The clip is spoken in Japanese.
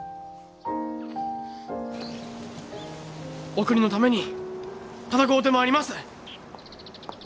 お国のために戦うてまいります！